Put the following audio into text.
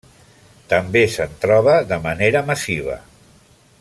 També se'n troba de manera massiva.